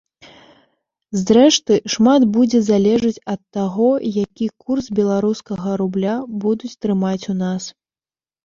Зрэшты, шмат будзе залежыць ад таго, які курс беларускага рубля будуць трымаць у нас.